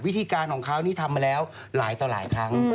วิธีการของเขานี่ทำมาแล้วหลายต่อหลายครั้ง